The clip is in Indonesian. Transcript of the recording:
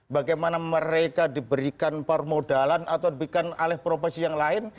bagaimana mereka diberikan permodalan atau diberikan alih profesi yang lain